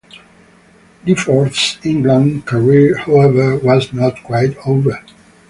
Gifford's England career, however, was not quite over.